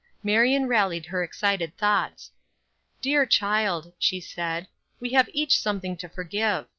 Marion rallied her excited thoughts. "Dear child," she said, "we have each something to forgive.